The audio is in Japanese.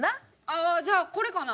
ああじゃあこれかな？